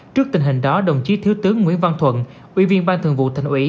trước tình hình đó đồng chí thiếu tướng nguyễn văn thuận ủy viên ban thường vụ thành ủy